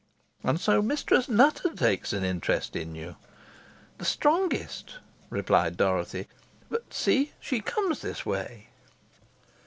And so Mistress Nutter takes an interest in you?" "The strongest," replied Dorothy; "but see! she comes this way."